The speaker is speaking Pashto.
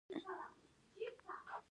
عضوې له څه شي جوړې دي؟